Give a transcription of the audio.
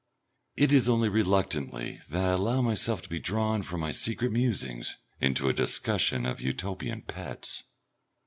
It is only reluctantly that I allow myself to be drawn from my secret musings into a discussion of Utopian pets.